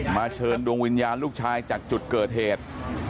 เชิญดวงวิญญาณลูกชายจากจุดเกิดเหตุ